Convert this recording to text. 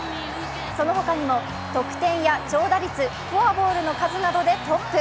その他にも得点や長打率フォアボールの数などでトップ。